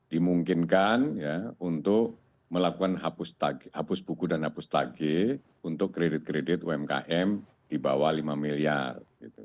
dimungkinkan untuk melakukan hapus buku dan hapus tagih untuk kredit kredit umkm di bawah lima miliar